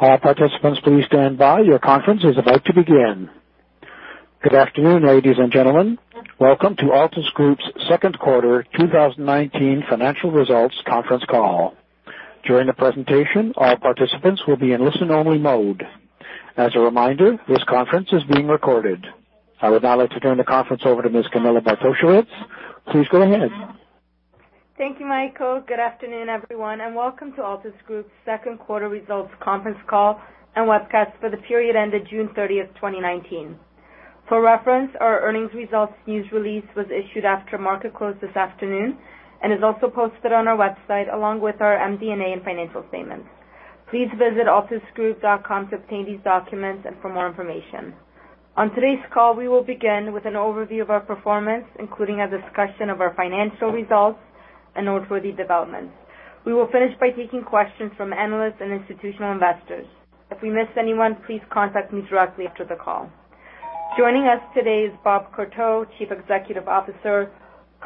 All participants, please stand by. Your conference is about to begin. Good afternoon, ladies and gentlemen. Welcome to Altus Group's second quarter 2019 financial results conference call. During the presentation, all participants will be in listen-only mode. As a reminder, this conference is being recorded. I would now like to turn the conference over to Ms. Camilla Bartosiewicz. Please go ahead. Thank you, Michael. Good afternoon, everyone, welcome to Altus Group's second quarter results conference call and webcast for the period ended June 30, 2019. For reference, our earnings results news release was issued after market close this afternoon and is also posted on our website along with our MD&A and financial statements. Please visit altusgroup.com to obtain these documents and for more information. On today's call, we will begin with an overview of our performance, including a discussion of our financial results and noteworthy developments. We will finish by taking questions from analysts and institutional investors. If we miss anyone, please contact me directly after the call. Joining us today is Bob Courteau, Chief Executive Officer,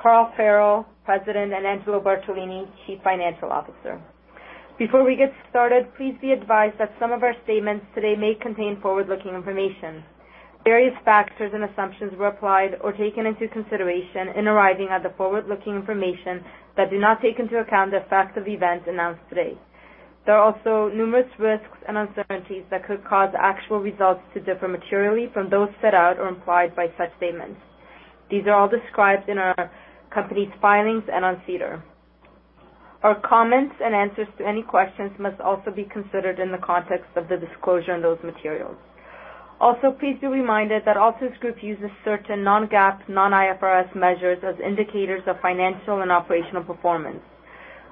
Carl Farrell, President, and Angelo Bartolini, Chief Financial Officer. Before we get started, please be advised that some of our statements today may contain forward-looking information. Various factors and assumptions were applied or taken into consideration in arriving at the forward-looking information that do not take into account the effect of events announced today. There are also numerous risks and uncertainties that could cause actual results to differ materially from those set out or implied by such statements. These are all described in our company's filings and on SEDAR. Our comments and answers to any questions must also be considered in the context of the disclosure in those materials. Please be reminded that Altus Group uses certain non-GAAP, non-IFRS measures as indicators of financial and operational performance.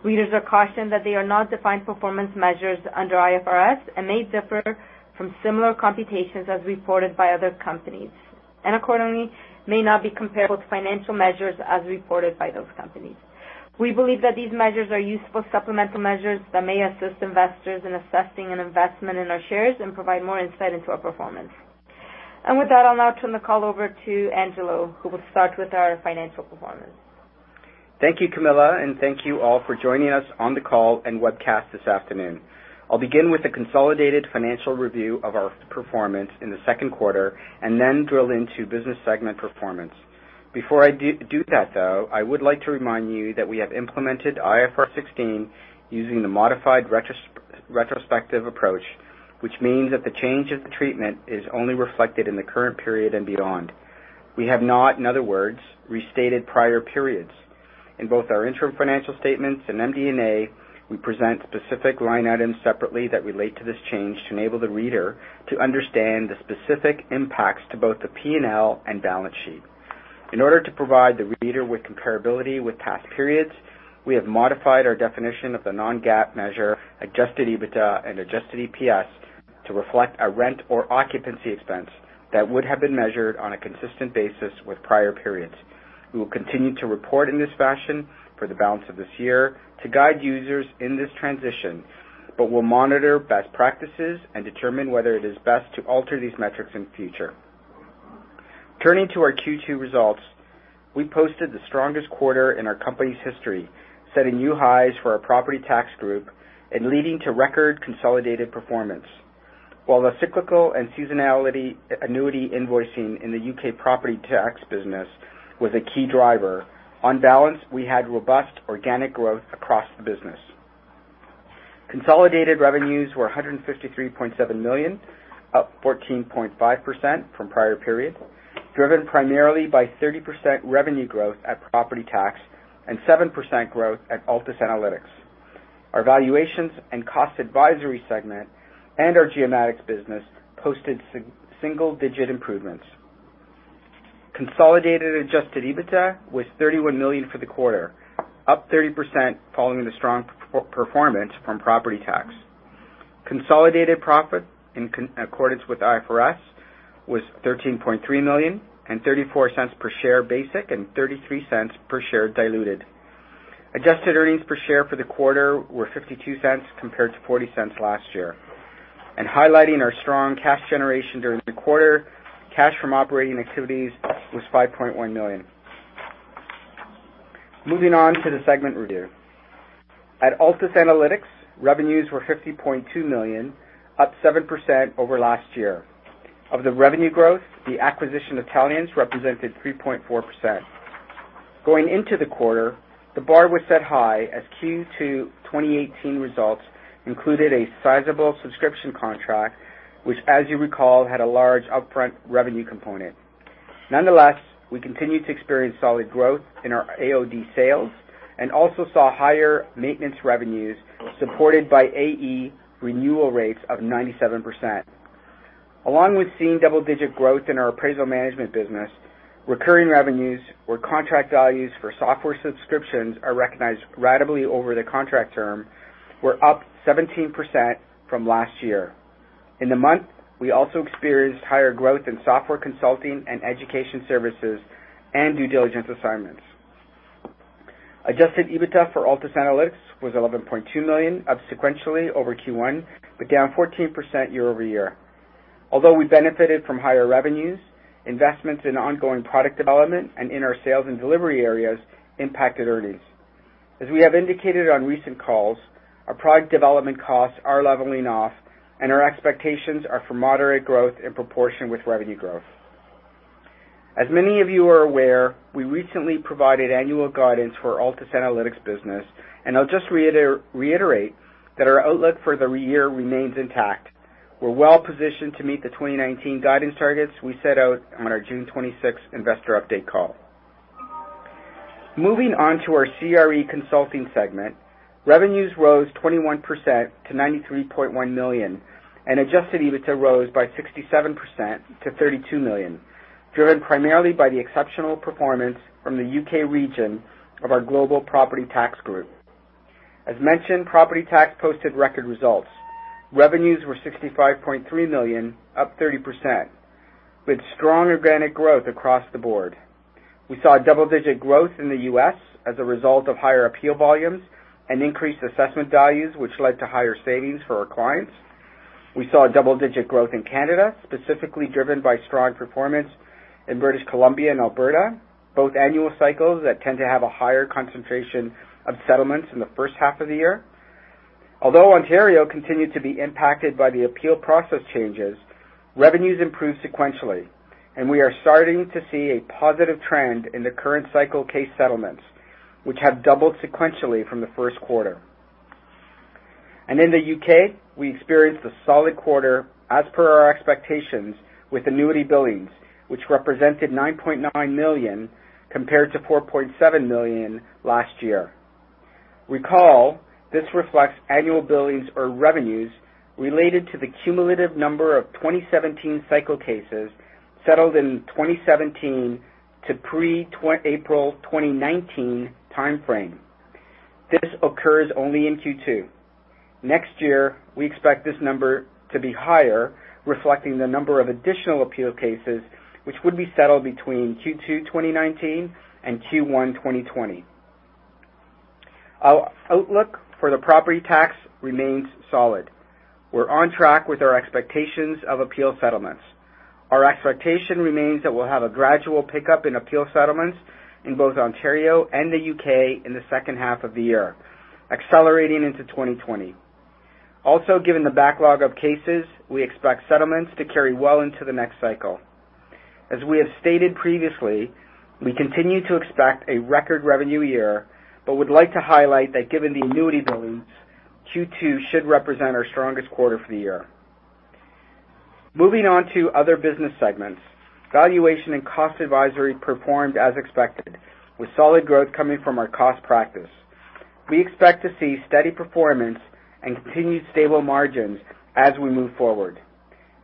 Readers are cautioned that they are not defined performance measures under IFRS and may differ from similar computations as reported by other companies, and accordingly, may not be comparable to financial measures as reported by those companies. We believe that these measures are useful supplemental measures that may assist investors in assessing an investment in our shares and provide more insight into our performance. With that, I'll now turn the call over to Angelo, who will start with our financial performance. Thank you, Camilla, thank you all for joining us on the call and webcast this afternoon. I'll begin with a consolidated financial review of our performance in the second quarter and then drill into business segment performance. Before I do that, though, I would like to remind you that we have implemented IFRS 16 using the modified retrospective approach, which means that the change of the treatment is only reflected in the current period and beyond. We have not, in other words, restated prior periods. In both our interim financial statements and MD&A, we present specific line items separately that relate to this change to enable the reader to understand the specific impacts to both the P&L and balance sheet. In order to provide the reader with comparability with past periods, we have modified our definition of the non-GAAP measure adjusted EBITDA and adjusted EPS to reflect a rent or occupancy expense that would have been measured on a consistent basis with prior periods. We will continue to report in this fashion for the balance of this year to guide users in this transition, but we'll monitor best practices and determine whether it is best to alter these metrics in future. Turning to our Q2 results, we posted the strongest quarter in our company's history, setting new highs for our Property Tax group and leading to record consolidated performance. While the cyclical and seasonality annuity invoicing in the U.K. Property Tax business was a key driver, on balance, we had robust organic growth across the business. Consolidated revenues were 153.7 million, up 14.5% from prior period, driven primarily by 30% revenue growth at Property Tax and 7% growth at Altus Analytics. Our valuations and cost advisory segment and our Geomatics business posted single-digit improvements. Consolidated adjusted EBITDA was 31 million for the quarter, up 30% following the strong performance from Property Tax. Consolidated profit in accordance with IFRS was 13.3 million and 0.34 per share basic and 0.33 per share diluted. adjusted earnings per share for the quarter were 0.52 compared to 0.40 last year. Highlighting our strong cash generation during the quarter, cash from operating activities was 5.1 million. Moving on to the segment review. At Altus Analytics, revenues were 50.2 million, up 7% over last year. Of the revenue growth, the acquisition of Taliance represented 3.4%. Going into the quarter, the bar was set high as Q2 2018 results included a sizable subscription contract, which, as you recall, had a large upfront revenue component. Nonetheless, we continued to experience solid growth in our AOD sales and also saw higher maintenance revenues supported by AE renewal rates of 97%. Along with seeing double-digit growth in our appraisal management business, recurring revenues where contract values for software subscriptions are recognized ratably over the contract term were up 17% from last year. In the month, we also experienced higher growth in software consulting and education services and due diligence assignments. Adjusted EBITDA for Altus Analytics was 11.2 million, up sequentially over Q1, but down 14% year-over-year. Although we benefited from higher revenues, investments in ongoing product development and in our sales and delivery areas impacted earnings. As we have indicated on recent calls, our product development costs are leveling off, and our expectations are for moderate growth in proportion with revenue growth. As many of you are aware, we recently provided annual guidance for our Altus Analytics business, and I'll just reiterate that our outlook for the year remains intact. We're well-positioned to meet the 2019 guidance targets we set out on our June 26th investor update call. Moving on to our CRE consulting segment, revenues rose 21% to 93.1 million and adjusted EBITDA rose by 67% to 32 million, driven primarily by the exceptional performance from the U.K. region of our global Property Tax group. As mentioned, Property Tax posted record results. Revenues were 65.3 million, up 30%, with strong organic growth across the board. We saw double-digit growth in the U.S. as a result of higher appeal volumes and increased assessment values, which led to higher savings for our clients. We saw double-digit growth in Canada, specifically driven by strong performance in British Columbia and Alberta, both annual cycles that tend to have a higher concentration of settlements in the first half of the year. Although Ontario continued to be impacted by the appeal process changes, revenues improved sequentially, and we are starting to see a positive trend in the current cycle case settlements, which have doubled sequentially from the first quarter. In the U.K., we experienced a solid quarter as per our expectations with annuity billings, which represented 9.9 million compared to 4.7 million last year. Recall, this reflects annual billings or revenues related to the cumulative number of 2017 cycle cases settled in 2017 to pre-April 2019 timeframe. This occurs only in Q2. Next year, we expect this number to be higher, reflecting the number of additional appeal cases which would be settled between Q2 2019 and Q1 2020. Our outlook for the Property Tax remains solid. We're on track with our expectations of appeal settlements. Our expectation remains that we'll have a gradual pickup in appeal settlements in both Ontario and the U.K. in the second half of the year, accelerating into 2020. Given the backlog of cases, we expect settlements to carry well into the next cycle. As we have stated previously, we continue to expect a record revenue year, but would like to highlight that given the annuity billings, Q2 should represent our strongest quarter for the year. Moving on to other business segments. Valuation Advisory and cost advisory performed as expected, with solid growth coming from our cost practice. We expect to see steady performance and continued stable margins as we move forward.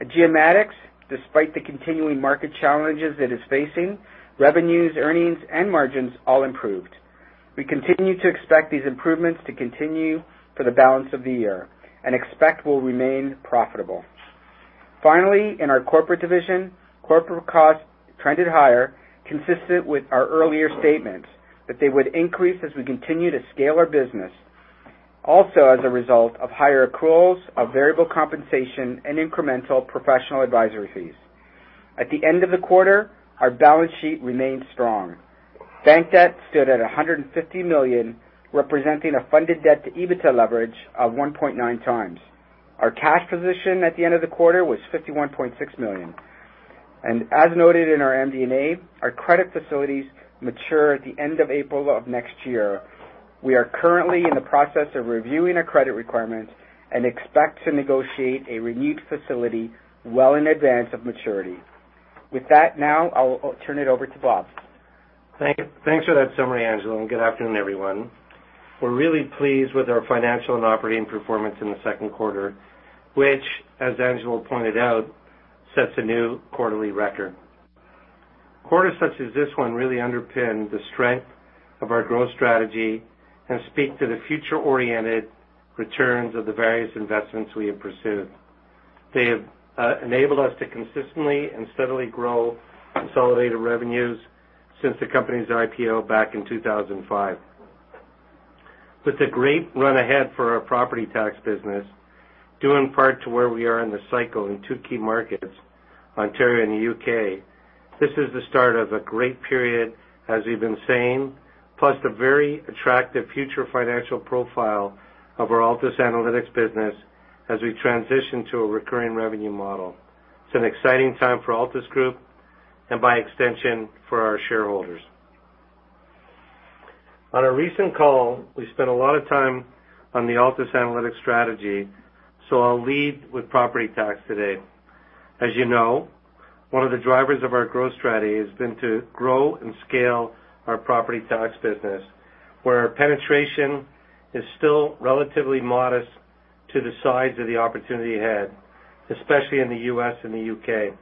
At Geomatics, despite the continuing market challenges it is facing, revenues, earnings, and margins all improved. We continue to expect these improvements to continue for the balance of the year and expect will remain profitable. Finally, in our corporate division, corporate costs trended higher, consistent with our earlier statements that they would increase as we continue to scale our business, also as a result of higher accruals of variable compensation and incremental professional advisory fees. At the end of the quarter, our balance sheet remained strong. Bank debt stood at 150 million, representing a funded debt to EBITDA leverage of 1.9 times. Our cash position at the end of the quarter was 51.6 million. As noted in our MD&A, our credit facilities mature at the end of April of next year. We are currently in the process of reviewing our credit requirements and expect to negotiate a renewed facility well in advance of maturity. With that, now, I'll turn it over to Bob. Thanks for that summary, Angelo. Good afternoon, everyone. We're really pleased with our financial and operating performance in the second quarter, which, as Angelo pointed out, sets a new quarterly record. Quarters such as this one really underpin the strength of our growth strategy and speak to the future-oriented returns of the various investments we have pursued. They have enabled us to consistently and steadily grow consolidated revenues since the company's IPO back in 2005. With a great run ahead for our Property Tax business, due in part to where we are in the cycle in two key markets, Ontario and the U.K., this is the start of a great period, as we've been saying, plus a very attractive future financial profile of our Altus Analytics business as we transition to a recurring revenue model. It's an exciting time for Altus Group and by extension, for our shareholders. On a recent call, we spent a lot of time on the Altus Analytics strategy. I'll lead with Property Tax today. As you know, one of the drivers of our growth strategy has been to grow and scale our Property Tax business, where our penetration is still relatively modest to the size of the opportunity ahead, especially in the U.S. and the U.K.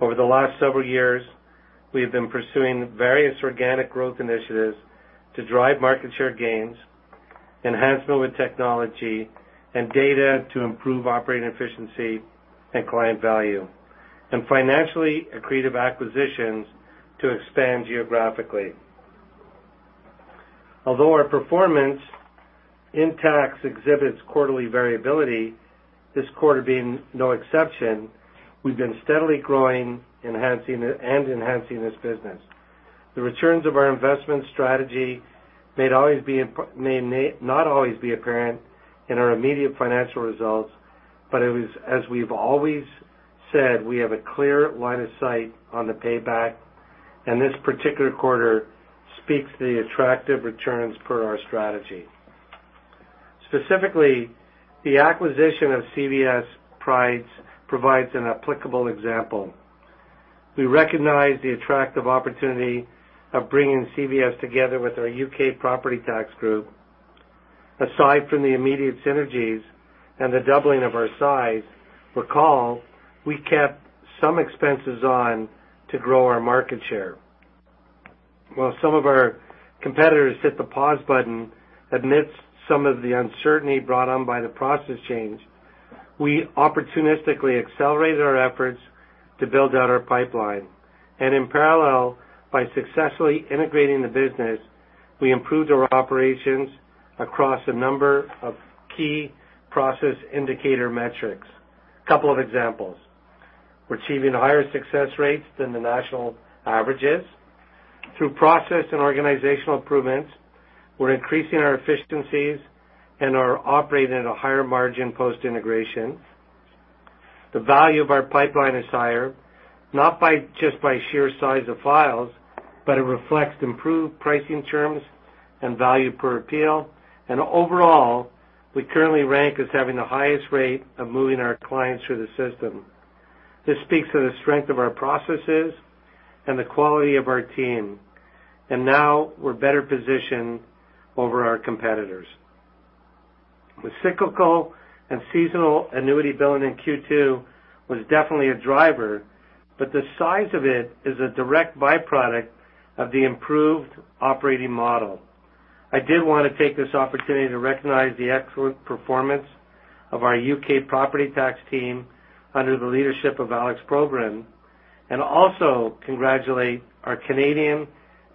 Over the last several years, we have been pursuing various organic growth initiatives to drive market share gains, enhancement with technology, and data to improve operating efficiency and client value, and financially accretive acquisitions to expand geographically. Although our performance in Property Tax exhibits quarterly variability, this quarter being no exception, we've been steadily growing and enhancing this business. The returns of our investment strategy may not always be apparent in our immediate financial results, but as we've always said, we have a clear line of sight on the payback, and this particular quarter speaks to the attractive returns per our strategy. Specifically, the acquisition of CVS UK provides an applicable example. We recognize the attractive opportunity of bringing CVS UK together with our U.K. Property Tax group. Aside from the immediate synergies and the doubling of our size, recall, we kept some expenses on to grow our market share. While some of our competitors hit the pause button amidst some of the uncertainty brought on by the process change, we opportunistically accelerated our efforts to build out our pipeline. In parallel, by successfully integrating the business, we improved our operations across a number of key process indicator metrics. Couple of examples. We're achieving higher success rates than the national averages. Through process and organizational improvements, we're increasing our efficiencies and are operating at a higher margin post-integration. The value of our pipeline is higher, not just by sheer size of files, but it reflects improved pricing terms and value per appeal. Overall, we currently rank as having the highest rate of moving our clients through the system. This speaks to the strength of our processes and the quality of our team, and now we're better positioned over our competitors. The cyclical and seasonal annuity billing in Q2 was definitely a driver, but the size of it is a direct byproduct of the improved operating model. I did want to take this opportunity to recognize the excellent performance of our U.K. Property Tax team under the leadership of Alex Probyn, and also congratulate our Canadian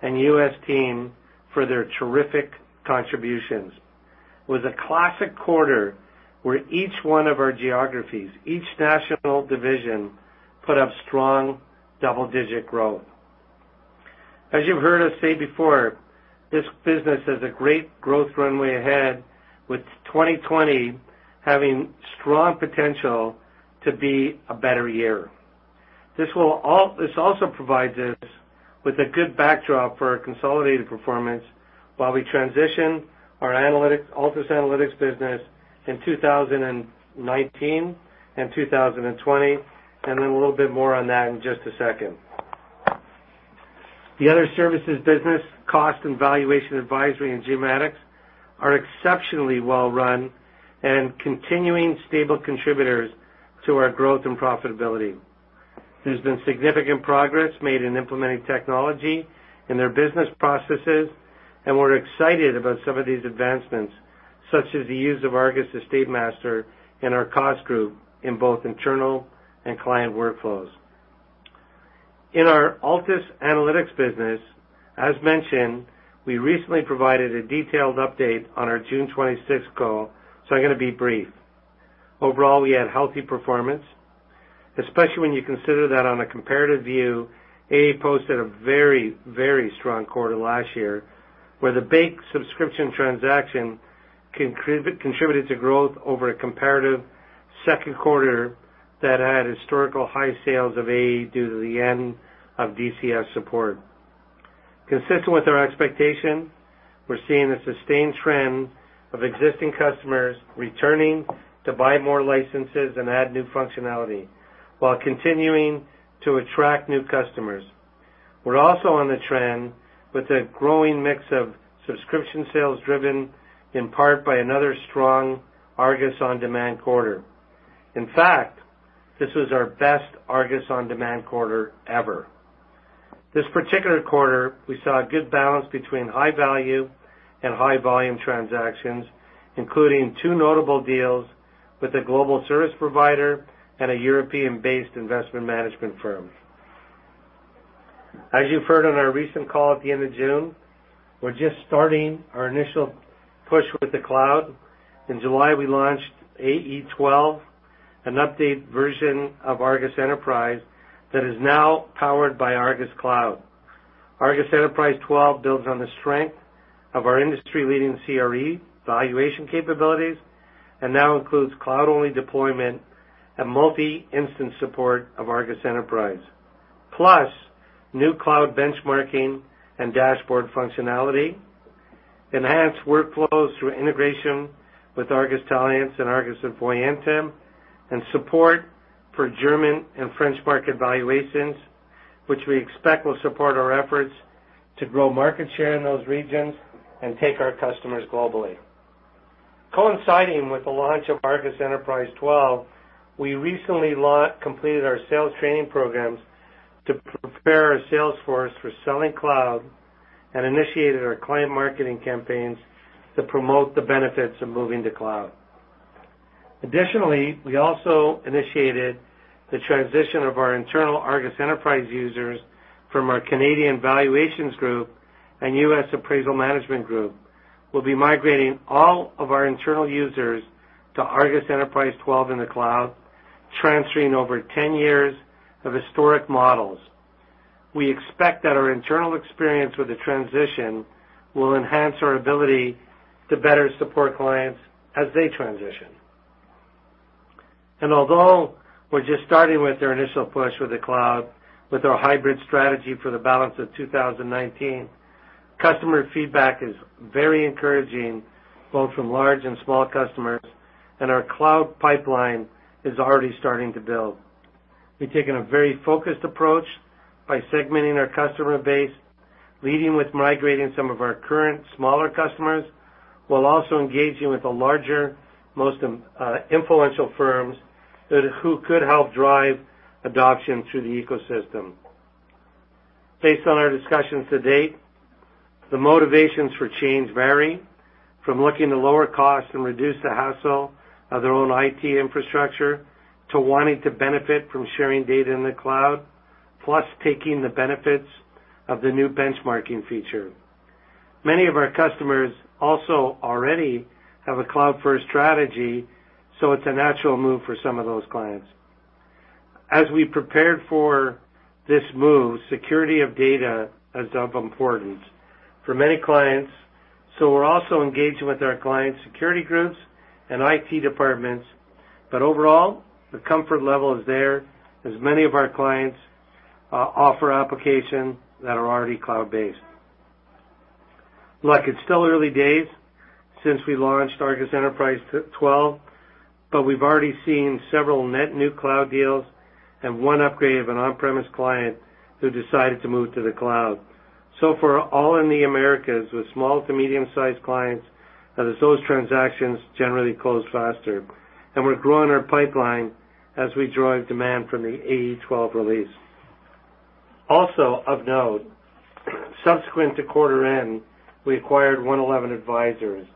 and U.S. team for their terrific contributions. It was a classic quarter where each one of our geographies, each national division, put up strong double-digit growth. As you've heard us say before, this business has a great growth runway ahead, with 2020 having strong potential to be a better year. This also provides us with a good backdrop for our consolidated performance while we transition our Altus Analytics business in 2019 and 2020, and then a little bit more on that in just a second. The other services business, cost and Valuation Advisory, and Geomatics, are exceptionally well run and continuing stable contributors to our growth and profitability. There's been significant progress made in implementing technology in their business processes, and we're excited about some of these advancements, such as the use of ARGUS EstateMaster in our cost group in both internal and client workflows. In our Altus Analytics business, as mentioned, we recently provided a detailed update on our June 26th call, so I'm going to be brief. Overall, we had healthy performance, especially when you consider that on a comparative view, AE posted a very, very strong quarter last year, where the big subscription transaction contributed to growth over a comparative second quarter that had historical high sales of AE due to the end of DCF support. Consistent with our expectation, we're seeing a sustained trend of existing customers returning to buy more licenses and add new functionality while continuing to attract new customers. We're also on the trend with a growing mix of subscription sales driven in part by another strong ARGUS On Demand quarter. This was our best ARGUS On Demand quarter ever. This particular quarter, we saw a good balance between high-value and high-volume transactions, including two notable deals with a global service provider and a European-based investment management firm. As you've heard on our recent call at the end of June, we're just starting our initial push with the cloud. In July, we launched AE 12, an updated version of ARGUS Enterprise that is now powered by ARGUS Cloud. ARGUS Enterprise 12 builds on the strength of our industry-leading CRE valuation capabilities and now includes cloud-only deployment and multi-instance support of ARGUS Enterprise. Plus, new cloud benchmarking and dashboard functionality, enhanced workflows through integration with ARGUS Intelligence and ARGUS Voyanta, and support for German and French market valuations, which we expect will support our efforts to grow market share in those regions and take our customers globally. Coinciding with the launch of ARGUS Enterprise 12, we recently completed our sales training programs to prepare our sales force for selling cloud and initiated our client marketing campaigns to promote the benefits of moving to cloud. Additionally, we also initiated the transition of our internal ARGUS Enterprise users from our Canadian valuations group and U.S. appraisal management group. We'll be migrating all of our internal users to ARGUS Enterprise 12 in the cloud, transferring over 10 years of historic models. We expect that our internal experience with the transition will enhance our ability to better support clients as they transition. Although we're just starting with our initial push with the cloud, with our hybrid strategy for the balance of 2019, customer feedback is very encouraging, both from large and small customers, and our cloud pipeline is already starting to build. We've taken a very focused approach by segmenting our customer base, leading with migrating some of our current smaller customers, while also engaging with the larger, most influential firms who could help drive adoption to the ecosystem. Based on our discussions to date, the motivations for change vary from looking to lower cost and reduce the hassle of their own IT infrastructure, to wanting to benefit from sharing data in the cloud, plus taking the benefits of the new benchmarking feature. Many of our customers also already have a cloud-first strategy, so it's a natural move for some of those clients. As we prepared for this move, security of data is of importance for many clients. We're also engaging with our clients' security groups and IT departments. Overall, the comfort level is there as many of our clients offer application that are already cloud-based. Look, it's still early days since we launched ARGUS Enterprise 12, but we've already seen several net new cloud deals and one upgrade of an on-premise client who decided to move to the cloud. Far, all in the Americas with small to medium-sized clients, as those transactions generally close faster. We're growing our pipeline as we drive demand from the AE 12 release. Of note, subsequent to quarter end, we acquired One11 Advisors,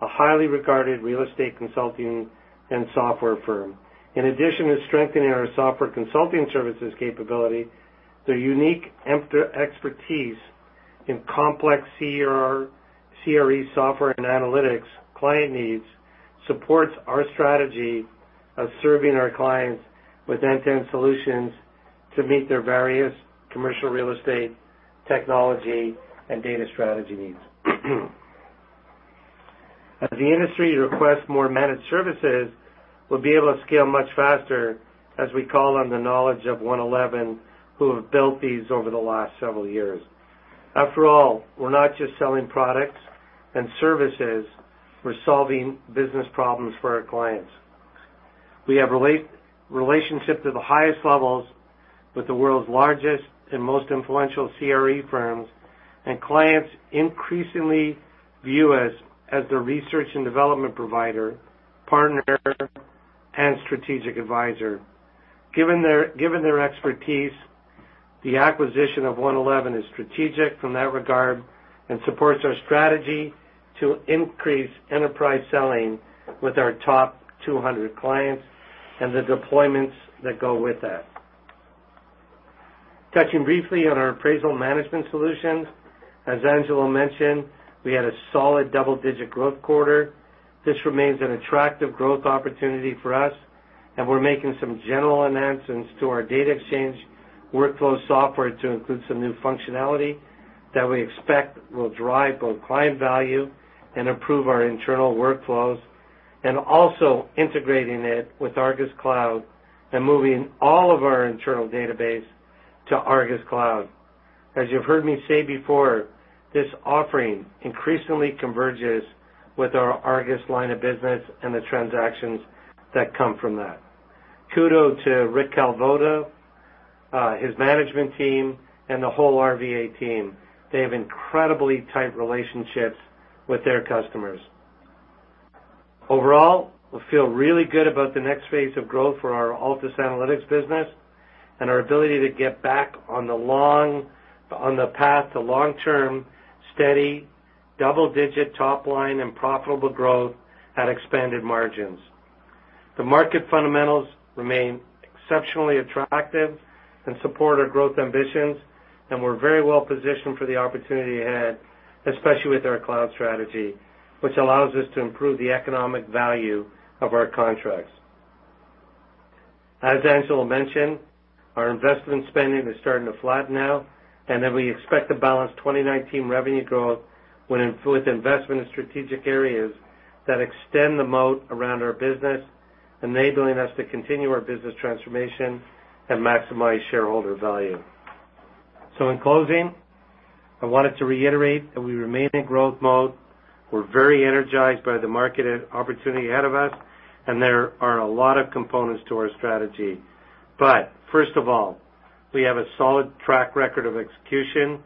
a highly regarded real estate consulting and software firm. In addition to strengthening our software consulting services capability, their unique expertise in complex CRE software and analytics client needs supports our strategy of serving our clients with end-to-end solutions to meet their various commercial real estate technology and data strategy needs. As the industry requests more managed services, we'll be able to scale much faster as we call on the knowledge of One11, who have built these over the last several years. After all, we're not just selling products and services, we're solving business problems for our clients. We have relationships at the highest levels with the world's largest and most influential CRE firms, and clients increasingly view us as their research and development provider, partner, and strategic advisor. Given their expertise, the acquisition of One11 is strategic from that regard and supports our strategy to increase enterprise selling with our top 200 clients and the deployments that go with that. Touching briefly on our appraisal management solutions. As Angelo mentioned, we had a solid double-digit growth quarter. This remains an attractive growth opportunity for us, and we're making some general enhancements to our data exchange workflow software to include some new functionality that we expect will drive both client value and improve our internal workflows, and also integrating it with ARGUS Cloud and moving all of our internal database to ARGUS Cloud. As you've heard me say before, this offering increasingly converges with our ARGUS line of business and the transactions that come from that. Kudos to Rick Kalvoda, his management team, and the whole RVA team. They have incredibly tight relationships with their customers. Overall, we feel really good about the next phase of growth for our Altus Analytics business and our ability to get back on the path to long-term, steady, double-digit top line and profitable growth at expanded margins. The market fundamentals remain exceptionally attractive and support our growth ambitions, and we're very well positioned for the opportunity ahead, especially with our cloud strategy, which allows us to improve the economic value of our contracts. As Angelo mentioned, our investment spending is starting to flatten out, and then we expect the balance 2019 revenue growth will influence investment in strategic areas that extend the moat around our business, enabling us to continue our business transformation and maximize shareholder value. In closing, I wanted to reiterate that we remain in growth mode. We're very energized by the market opportunity ahead of us, and there are a lot of components to our strategy. First of all, we have a solid track record of execution,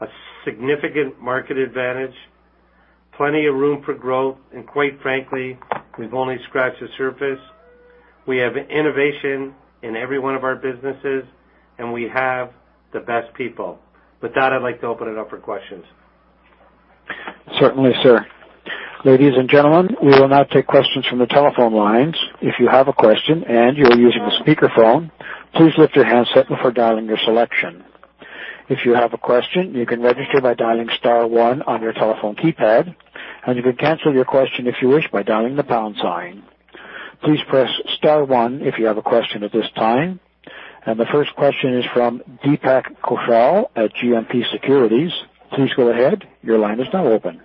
a significant market advantage, plenty of room for growth, and quite frankly, we've only scratched the surface. We have innovation in every one of our businesses, and we have the best people. With that, I'd like to open it up for questions. Certainly, sir. Ladies and gentlemen, we will now take questions from the telephone lines. If you have a question and you're using a speakerphone, please lift your handset before dialing your selection. If you have a question, you can register by dialing star one on your telephone keypad, and you can cancel your question if you wish, by dialing the pound sign. Please press star one if you have a question at this time. The first question is from Deepak Khoswal at GMP Securities. Please go ahead. Your line is now open.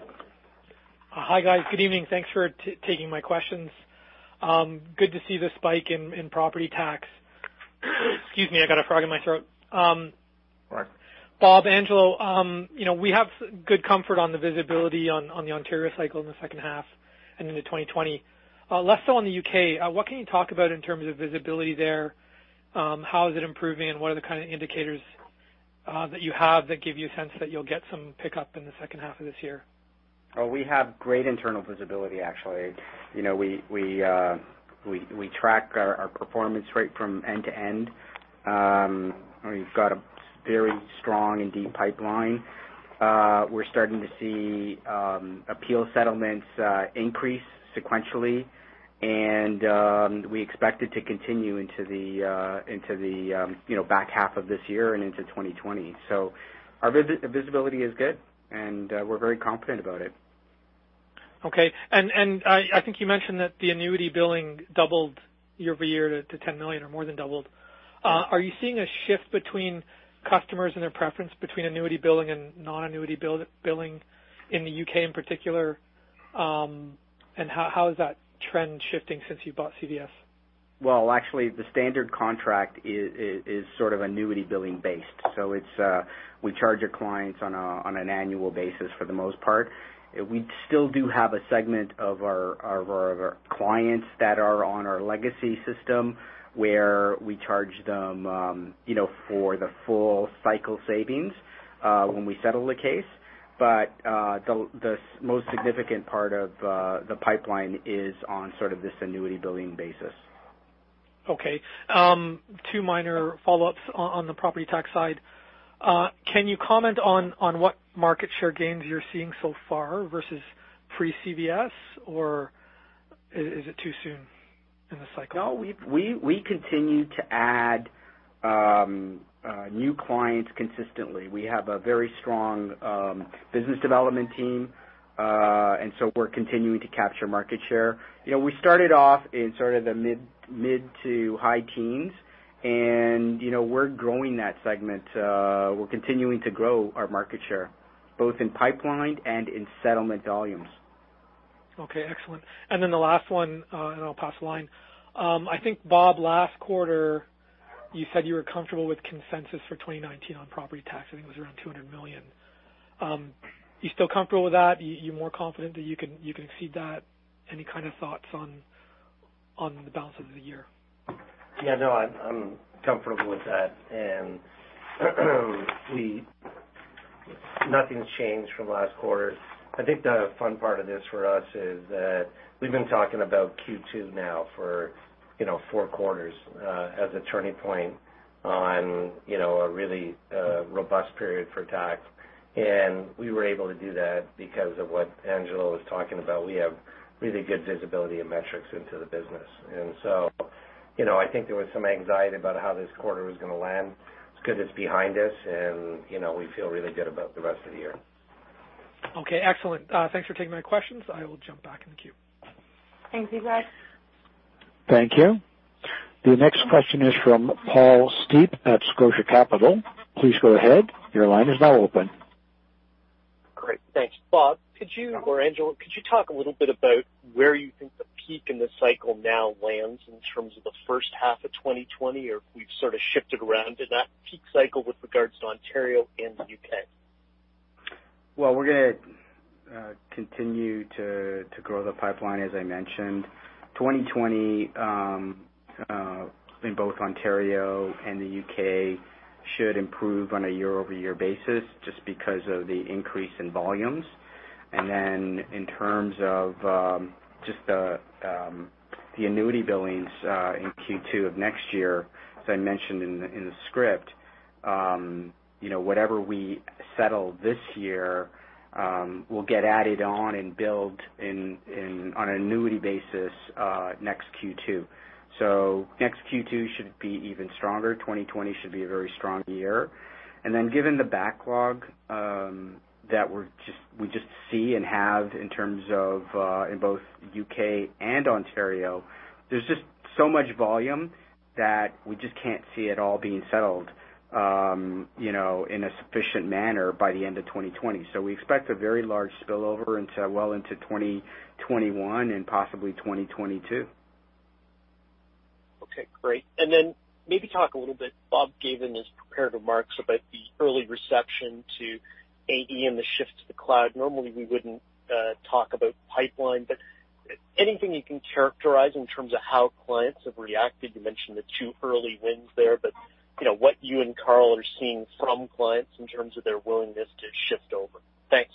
Hi, guys. Good evening. Thanks for taking my questions. Good to see the spike in Property Tax. Excuse me, I got a frog in my throat. All right. Bob, Angelo, we have good comfort on the visibility on the Ontario cycle in the second half and into 2020. Less so in the U.K. What can you talk about in terms of visibility there? How is it improving and what are the kind of indicators that you have that give you a sense that you'll get some pickup in the second half of this year? We have great internal visibility, actually. We track our performance right from end to end. We've got a very strong and deep pipeline. We're starting to see appeal settlements increase sequentially, and we expect it to continue into the back half of this year and into 2020. Our visibility is good, and we're very confident about it. Okay. I think you mentioned that the annuity billing doubled year over year to 10 million or more than doubled. Are you seeing a shift between customers and their preference between annuity billing and non-annuity billing in the U.K. in particular? How is that trend shifting since you bought CVS? Well, actually, the standard contract is sort of annuity billing based. We charge our clients on an annual basis for the most part. We still do have a segment of our clients that are on our legacy system, where we charge them for the full cycle savings when we settle a case. The most significant part of the pipeline is on this annuity billing basis. Okay. Two minor follow-ups on the Property Tax side. Can you comment on what market share gains you're seeing so far versus pre-CVS? Is it too soon in the cycle? No, we continue to add new clients consistently. We have a very strong business development team. We're continuing to capture market share. We started off in sort of the mid to high teens, and we're growing that segment. We're continuing to grow our market share, both in pipeline and in settlement volumes. Okay, excellent. Then the last one, and I'll pass the line. I think, Bob, last quarter, you said you were comfortable with consensus for 2019 on Property Tax. I think it was around 200 million. You still comfortable with that? You more confident that you can exceed that? Any kind of thoughts on the balance of the year? Yeah, no, I'm comfortable with that. Nothing's changed from last quarter. I think the fun part of this for us is that we've been talking about Q2 now for four quarters as a turning point on a really robust period for tax. We were able to do that because of what Angelo was talking about. We have really good visibility and metrics into the business. I think there was some anxiety about how this quarter was going to land. It's good it's behind us, and we feel really good about the rest of the year. Okay, excellent. Thanks for taking my questions. I will jump back in the queue. Thanks, Deepak. Thank you. The next question is from Paul Steep at Scotia Capital. Please go ahead. Your line is now open. Great. Thanks. Bob or Angelo, could you talk a little bit about where you think the peak in the cycle now lands in terms of the first half of 2020? We've sort of shifted around in that peak cycle with regards to Ontario and the U.K. Well, we're going to continue to grow the pipeline, as I mentioned. 2020, in both Ontario and the U.K., should improve on a year-over-year basis just because of the increase in volumes. In terms of just the annuity billings in Q2 of next year, as I mentioned in the script, whatever we settle this year will get added on and billed on an annuity basis next Q2. Next Q2 should be even stronger. 2020 should be a very strong year. Given the backlog that we just see and have in terms of in both U.K. and Ontario, there's just so much volume that we just can't see it all being settled in a sufficient manner by the end of 2020. We expect a very large spillover well into 2021 and possibly 2022. Okay, great. Then maybe talk a little bit, Bob gave in his prepared remarks about the early reception to AE and the shift to the cloud. Normally, we wouldn't talk about pipeline, but anything you can characterize in terms of how clients have reacted? You mentioned the two early wins there, what you and Carl are seeing from clients in terms of their willingness to shift over? Thanks.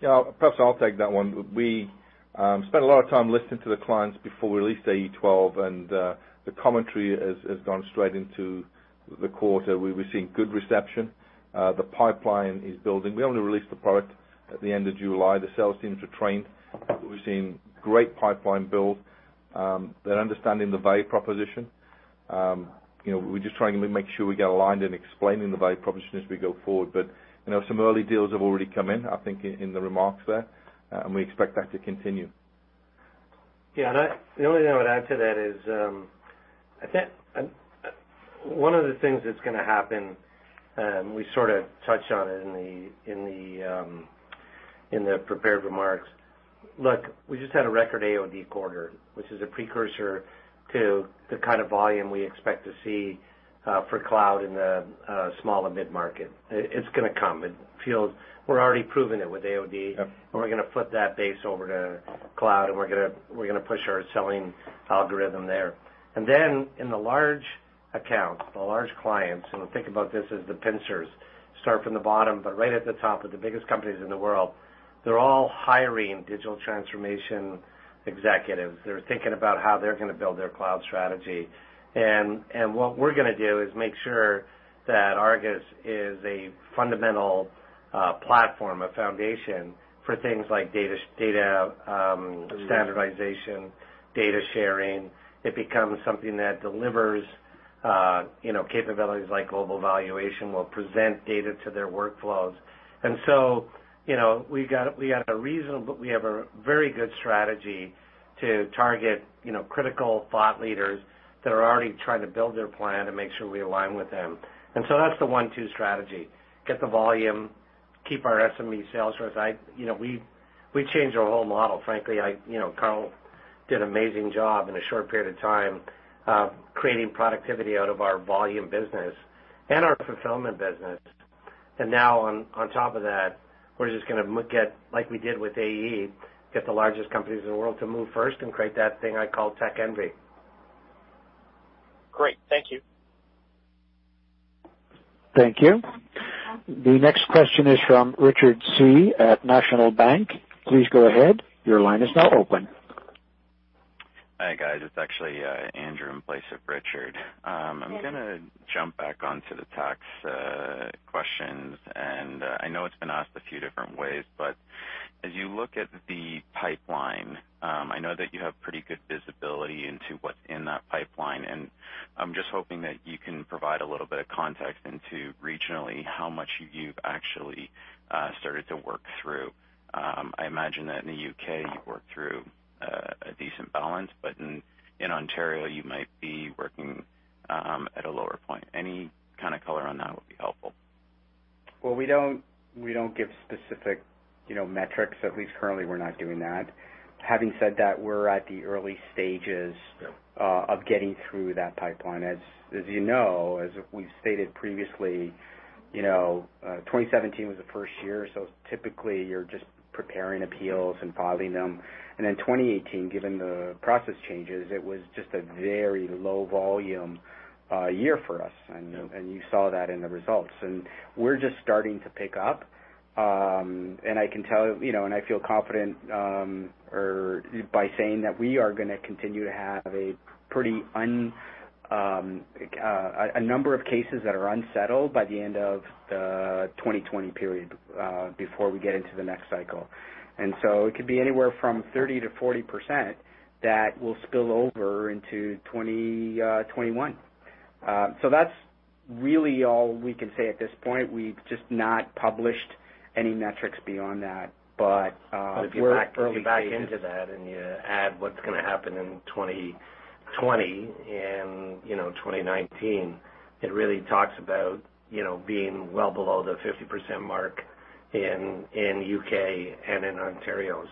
Yeah. Perhaps I'll take that one. We spent a lot of time listening to the clients before we released AE 12, and the commentary has gone straight into the quarter. We're seeing good reception. The pipeline is building. We only released the product at the end of July. The sales teams are trained. We're seeing great pipeline build. They're understanding the value proposition. We're just trying to make sure we get aligned in explaining the value proposition as we go forward. Some early deals have already come in, I think in the remarks there, and we expect that to continue. Yeah. The only thing I would add to that is, I think one of the things that's going to happen, and we sort of touched on it in the prepared remarks. Look, we just had a record AOD quarter, which is a precursor to the kind of volume we expect to see for cloud in the small and mid-market. It's going to come. We're already proven it with AOD. Yep. We're going to flip that base over to cloud, and we're going to push our selling algorithm there. In the large accounts, the large clients, and think about this as the pincers start from the bottom, but right at the top are the biggest companies in the world. They're all hiring digital transformation executives. They're thinking about how they're going to build their cloud strategy. What we're going to do is make sure that ARGUS is a fundamental platform, a foundation for things like data standardization, data sharing. It becomes something that delivers capabilities like global valuation, will present data to their workflows. We have a very good strategy to target critical thought leaders that are already trying to build their plan and make sure we align with them. That's the one-two strategy. Get the volume, keep our SME sales force. We changed our whole model, frankly. Carl did an amazing job in a short period of time creating productivity out of our volume business and our fulfillment business. Now on top of that, we're just going to get, like we did with AE, get the largest companies in the world to move first and create that thing I call tech envy. Great. Thank you. Thank you. The next question is from Richard Tse at National Bank. Please go ahead. Your line is now open. Hi, guys. It's actually Andrew in place of Richard. I'm going to jump back onto the tax questions, and I know it's been asked a few different ways, but as you look at the pipeline, I know that you have pretty good visibility into what's in that pipeline, and I'm just hoping that you can provide a little bit of context into regionally how much you've actually started to work through. I imagine that in the U.K. you've worked through a decent balance, but in Ontario, you might be working at a lower point. Any kind of color on that would be helpful. Well, we don't give specific metrics. At least currently, we're not doing that. Having said that, we're at the early stages of getting through that pipeline. As you know, as we've stated previously, 2017 was the first year, typically you're just preparing appeals and filing them. 2018, given the process changes, it was just a very low volume year for us. We're just starting to pick up. I can tell, and I feel confident by saying that we are going to continue to have a number of cases that are unsettled by the end of the 2020 period, before we get into the next cycle. It could be anywhere from 30%-40% that will spill over into 2021. That's really all we can say at this point. We've just not published any metrics beyond that. If you factor back into that and you add what's going to happen in 2020 and 2019, it really talks about being well below the 50% mark in U.K. and in Ontario.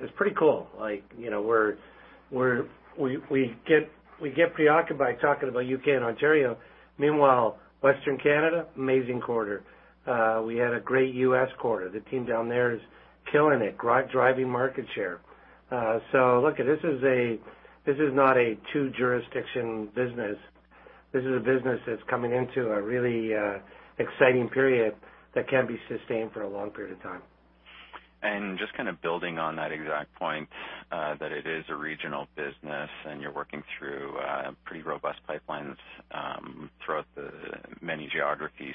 It's pretty cool. We get preoccupied talking about U.K. and Ontario. Meanwhile, Western Canada, amazing quarter. We had a great U.S. quarter. The team down there is killing it, driving market share. Look, this is not a two-jurisdiction business. This is a business that's coming into a really exciting period that can be sustained for a long period of time. Just kind of building on that exact point, that it is a regional business and you're working through pretty robust pipelines throughout the many geographies.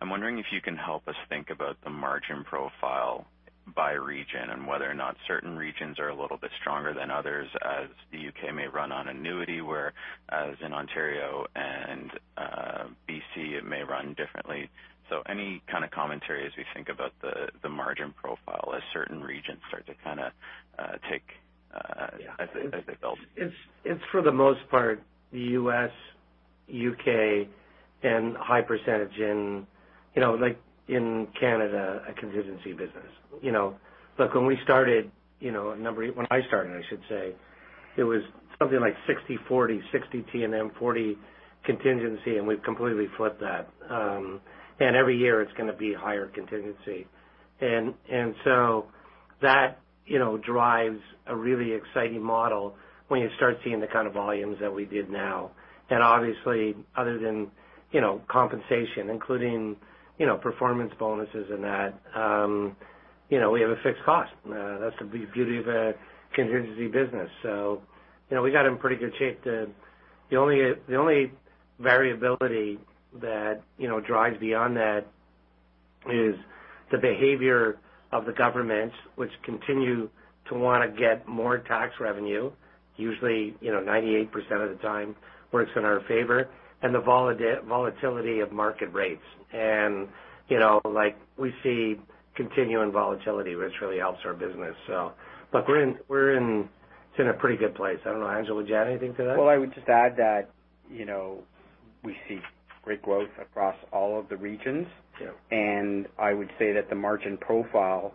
I'm wondering if you can help us think about the margin profile by region and whether or not certain regions are a little bit stronger than others as the U.K. may run on annuity, whereas in Ontario and B.C., it may run differently. Any kind of commentary as we think about the margin profile as certain regions start to kind of take as they build. It's for the most part, the U.S., U.K., and high percentage in Canada, a contingency business. Look, when we started, when I started, I should say, it was something like 60/40, 60 T&M, 40 contingency. We've completely flipped that. Every year it's going to be higher contingency. That drives a really exciting model when you start seeing the kind of volumes that we did now. Obviously, other than compensation, including performance bonuses and that, we have a fixed cost. That's the beauty of a contingency business. We got in pretty good shape to The only variability that drives beyond that is the behavior of the government, which continue to want to get more tax revenue. Usually, 98% of the time works in our favor, and the volatility of market rates. We see continuing volatility, which really helps our business. Look, it's in a pretty good place. I don't know, Angelo, do you have anything to that? Well, I would just add that we see great growth across all of the regions. Yeah. I would say that the margin profile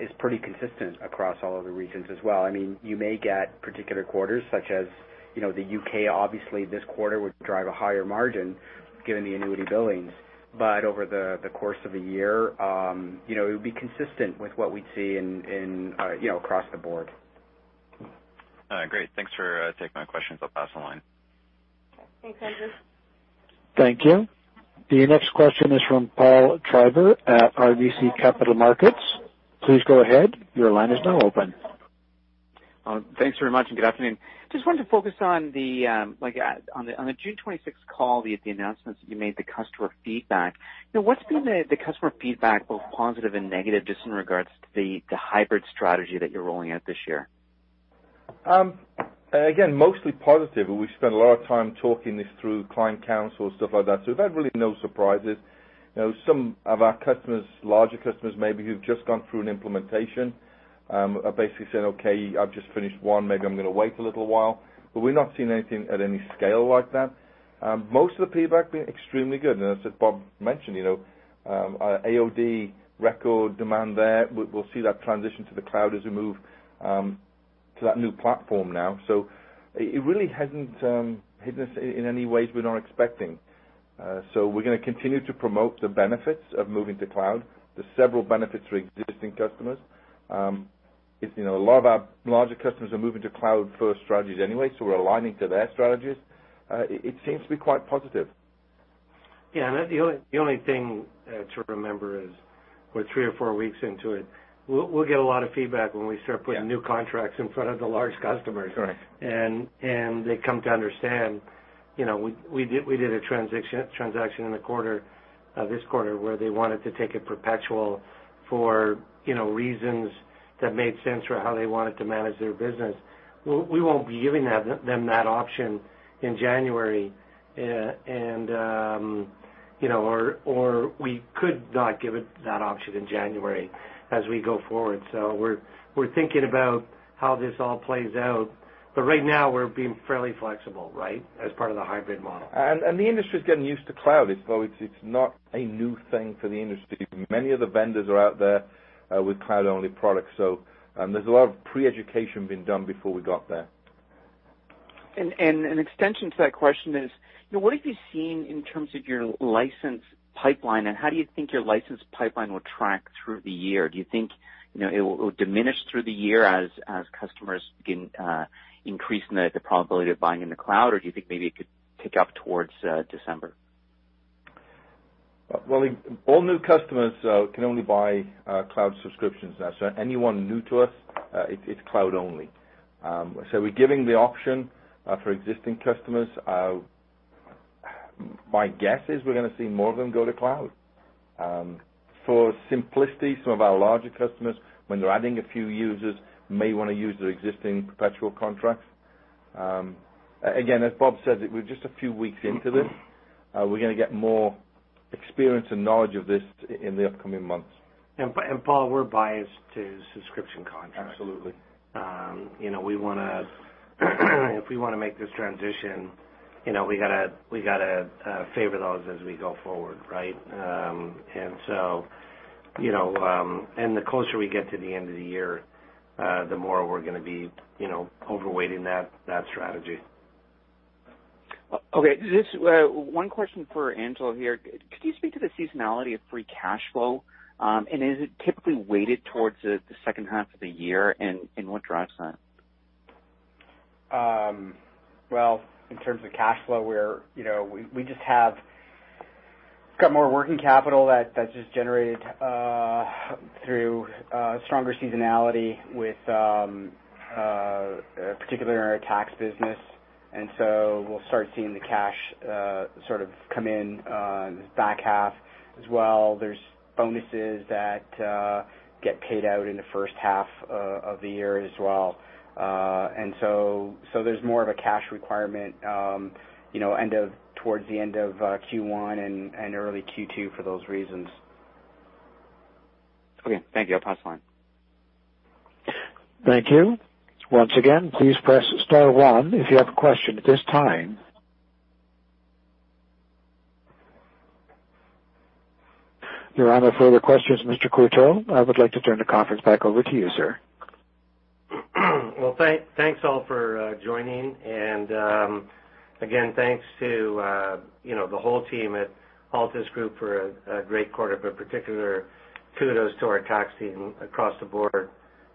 is pretty consistent across all of the regions as well. You may get particular quarters such as the U.K., obviously this quarter would drive a higher margin given the annuity billings. Over the course of a year, it would be consistent with what we'd see across the board. Great. Thanks for taking my questions. I'll pass online. Thanks, Andrew. Thank you. The next question is from Paul Treiber at RBC Capital Markets. Please go ahead. Your line is now open. Thanks very much. Good afternoon. Just wanted to focus on the June 26th call, the announcements that you made, the customer feedback. What's been the customer feedback, both positive and negative, just in regards to the hybrid strategy that you're rolling out this year? Again, mostly positive. We've spent a lot of time talking this through client council and stuff like that, so we've had really no surprises. Some of our customers, larger customers maybe, who've just gone through an implementation, are basically saying, "Okay, I've just finished one. Maybe I'm going to wait a little while." We're not seeing anything at any scale like that. Most of the feedback has been extremely good. As Bob mentioned, our AOD record demand there. We'll see that transition to the cloud as we move to that new platform now. It really hasn't hit us in any ways we're not expecting. We're going to continue to promote the benefits of moving to cloud. There's several benefits for existing customers. A lot of our larger customers are moving to cloud-first strategies anyway, so we're aligning to their strategies. It seems to be quite positive. Yeah. The only thing to remember is we're three or four weeks into it. We'll get a lot of feedback when we start putting new contracts in front of the large customers. Correct. They come to understand. We did a transaction in this quarter where they wanted to take it perpetual for reasons that made sense for how they wanted to manage their business. We won't be giving them that option in January, or we could not give that option in January as we go forward. We're thinking about how this all plays out. Right now, we're being fairly flexible, right? As part of the hybrid model. The industry is getting used to cloud. It's not a new thing for the industry. Many of the vendors are out there with cloud-only products. There's a lot of pre-education been done before we got there. An extension to that question is, what have you seen in terms of your license pipeline, and how do you think your license pipeline will track through the year? Do you think it will diminish through the year as customers begin increasing the probability of buying in the cloud? Or do you think maybe it could pick up towards December? Well, all new customers can only buy cloud subscriptions now. Anyone new to us, it's cloud only. We're giving the option for existing customers. My guess is we're going to see more of them go to cloud. For simplicity, some of our larger customers, when they're adding a few users, may want to use their existing perpetual contracts. Again, as Bob said, we're just a few weeks into this. We're going to get more experience and knowledge of this in the upcoming months. Paul, we're biased to subscription contracts. Absolutely. If we want to make this transition, we got to favor those as we go forward, right? The closer we get to the end of the year, the more we're going to be over-weighting that strategy. Okay. Just one question for Angelo here. Could you speak to the seasonality of free cash flow? Is it typically weighted towards the second half of the year, and what drives that? Well, in terms of cash flow, we just have got more working capital that just generated through stronger seasonality, particularly in our Property Tax business. We'll start seeing the cash sort of come in the back half as well. There's bonuses that get paid out in the first half of the year as well. There's more of a cash requirement towards the end of Q1 and early Q2 for those reasons. Okay. Thank you. I'll pass the line. Thank you. Once again, please press star one if you have a question at this time. There are no further questions, Mr. Courteau. I would like to turn the conference back over to you, sir. Well, thanks all for joining. Again, thanks to the whole team at Altus Group for a great quarter, but particular kudos to our tax team across the board.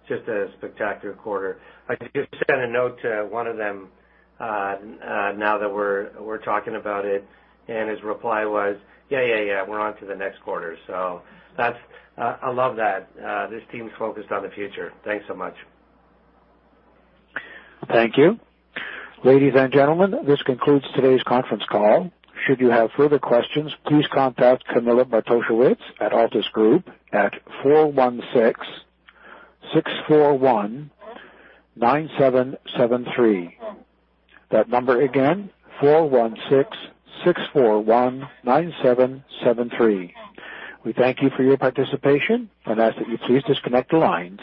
Just a spectacular quarter. I just sent a note to one of them now that we're talking about it, and his reply was, "Yeah. We're on to the next quarter." I love that. This team is focused on the future. Thanks so much. Thank you. Ladies and gentlemen, this concludes today's conference call. Should you have further questions, please contact Camilla Bartosiewicz at Altus Group at 416-641-9773. That number again, 416-641-9773. We thank you for your participation and ask that you please disconnect the lines.